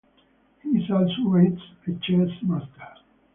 He is also rated a chess master.